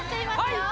はい